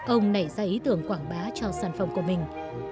ông nảy ra ý tưởng quảng bá cho sản phẩm của mình